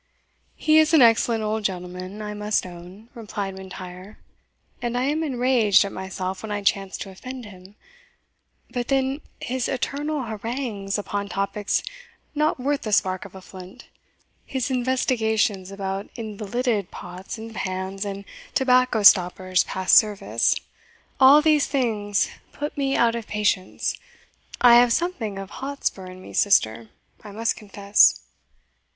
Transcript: "He is an excellent old gentleman, I must own," replied M'Intyre, "and I am enraged at myself when I chance to offend him; but then his eternal harangues upon topics not worth the spark of a flint his investigations about invalided pots and pans and tobacco stoppers past service all these things put me out of patience. I have something of Hotspur in me, sister, I must confess."